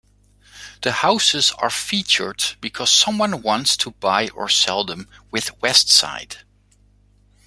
The houses are featured because someone wants to buy or sell them with Westside.